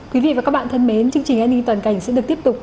quý vị và các bạn thân mến chương trình an ninh toàn cảnh sẽ được tiếp tục